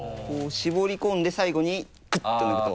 絞り込んで最後にクッと抜くと。